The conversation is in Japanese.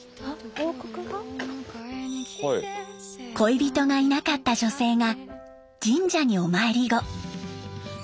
恋人がいなかった女性が神社にお参り後。